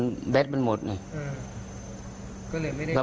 พ่อโต๊ะสังเกษัตริย์เก็บบองมือแบ๊ดมันหมด